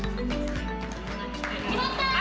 「決まった！」。